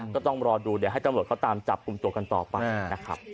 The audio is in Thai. ก็ต้องรอดูเดี๋ยวให้ตำรวจเขาตามจับกลุ่มตัวกันต่อไปนะครับ